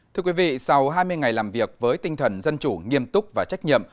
thưa quý vị sau hai mươi ngày làm việc với tinh thần dân chủ nghiêm túc và trách nhiệm